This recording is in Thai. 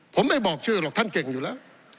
ผมไม่บอกชื่อหรอกท่านเก่งอยู่แล้ว